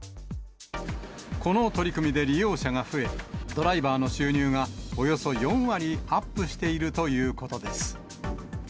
この取り組みで利用者が増え、ドライバーの収入がおよそ４割アップしているということです。